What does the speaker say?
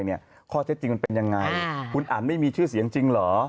ข้อเท็จจริงมันเป็นยังไงคุณอันไม่มีชื่อเสียงจริงเหรอ